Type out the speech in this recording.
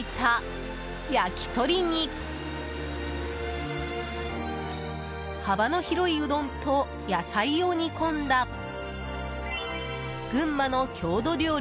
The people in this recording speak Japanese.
炭火で焼いた焼き鳥に幅の広いうどんと野菜を煮込んだ群馬の郷土料理